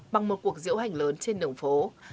bằng một cuộc diễu hành lớn trên đường phố